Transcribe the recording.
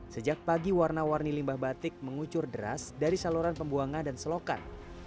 sejak pagi warna warni limbah batik mengucur deras dari saluran pembuangan dan selokan